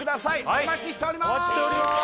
お待ちしております